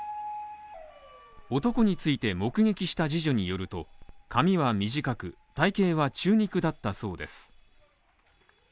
男について目撃した次女によると、髪は短く、体型は中肉だったそうです。